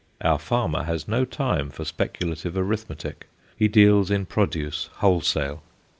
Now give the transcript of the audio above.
Our farmer has no time for speculative arithmetic; he deals in produce wholesale.